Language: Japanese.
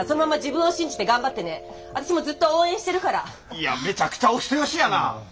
いやめちゃくちゃお人よしやな！